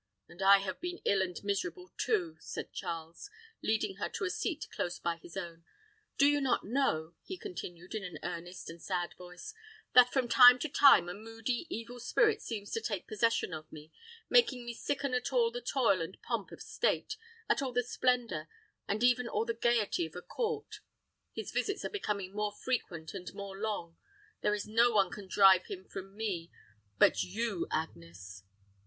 "And I have been ill and miserable too," said Charles, leading her to a seat close by his own. "Do you not know," he continued, in an earnest and sad voice, "that, from time to time, a moody, evil spirit seems to take possession of me, making me sicken at all the toil and pomp of state, at all the splendor, and even all the gayety of a court? His visits are becoming more frequent and more long. There is no one can drive him from me but you, Agnes."